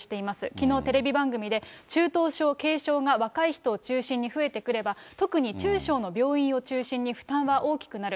きのうテレビ番組で、中等症、軽症が若い人を中心に増えてくれば、特に中小の病院を中心に負担は大きくなる。